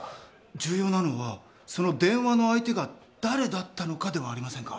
重要なのはその電話の相手が誰だったのかではありませんか？